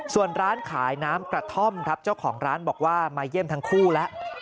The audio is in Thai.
ส่วนร้านขายน้ำกระท่อมครับเจ้าของร้านบอกว่ามาเยี่ยมทั้งคู่แล้ว